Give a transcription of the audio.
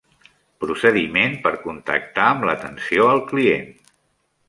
Procediment per contactar amb l'atenció al client.